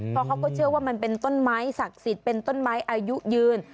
เพราะเขาก็เชื่อว่ามันเป็นต้นไม้ศักดิ์สิทธิ์เป็นต้นไม้อายุยืน